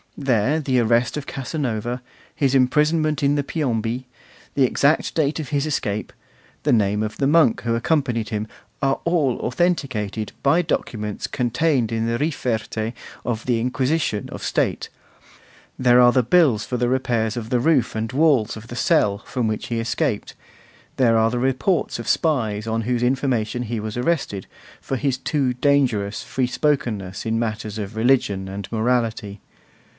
There the arrest of Casanova, his imprisonment in the Piombi, the exact date of his escape, the name of the monk who accompanied him, are all authenticated by documents contained in the 'riferte' of the Inquisition of State; there are the bills for the repairs of the roof and walls of the cell from which he escaped; there are the reports of the spies on whose information he was arrested, for his too dangerous free spokenness in matters of religion and morality.